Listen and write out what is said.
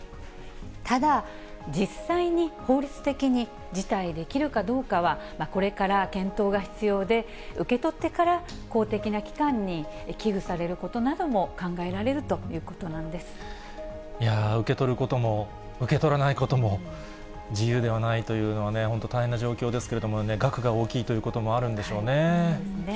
ただ、実際に法律的に辞退できるかどうかは、これから検討が必要で、受け取ってから公的な機関に寄付されることなども考えられるといいやー、受け取ることも受け取らないことも、自由ではないというのはね、本当、大変な状況ですけれどもね、額が大きいということもあるんでそうですね。